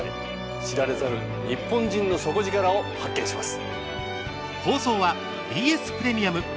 知られざる日本人の底力を発見します。